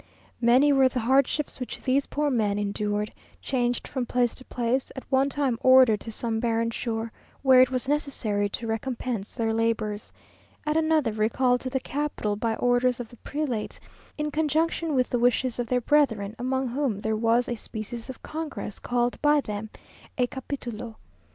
Many were the hardships which these poor men endured; changed from place to place; at one time ordered to some barren shore, where it was necessary to recommence their labours, at another, recalled to the capital by orders of the prelate, in conjunction with the wishes of their brethren, among whom there was a species of congress, called by them a capitulo.